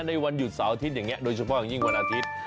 ในวันหยุดเสาร์อาทิตย์อย่างนี้โดยเฉพาะอย่างยิ่งวันอาทิตย์